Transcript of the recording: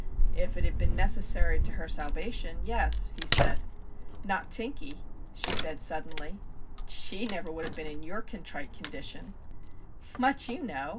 ' If it had been necessary to her salva tion, yes/ he said. ' Not Tinkie ?' she said suddenly. 'She never would have been in your contrite condition/ 'Much you know!